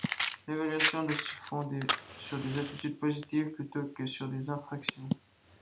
L'évaluation doit se fonder sur des attitudes positives plutôt que sur des infractions.